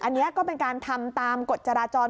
อันนี้ก็เป็นการทำตามกฎจราจร